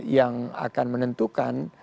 yang akan menentukan